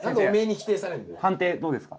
判定どうですか？